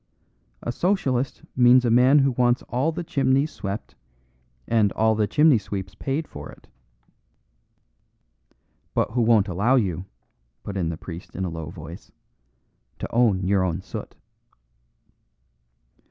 A Socialist means a man who wants all the chimneys swept and all the chimney sweeps paid for it." "But who won't allow you," put in the priest in a low voice, "to own your own soot."